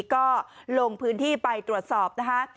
ก็ลงพื้นที่ไปตรวจสอบนะคะ